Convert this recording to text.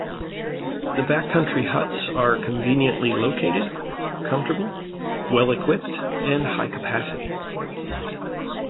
The backcountry huts are conveniently located, comfortable, well-equipped, and high capacity.